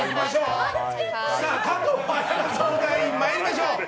加藤綾菜相談員、参りましょう。